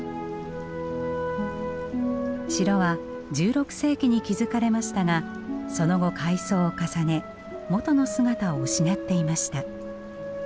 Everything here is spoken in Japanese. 城は１６世紀に築かれましたがその後改装を重ね元の姿を失っていました。